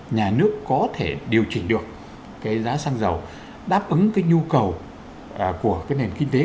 nhà nước có thể điều chỉnh được cái giá xăng dầu đáp ứng cái nhu cầu của cái nền kinh tế